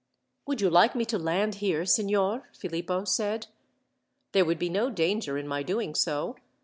"Would you like me to land here, signor?" Philippo said. "There would be no danger in my doing so.